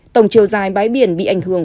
tổng chiều dài bãi biển bị ảnh hưởng